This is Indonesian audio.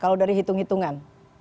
kalau dari hitung hitungan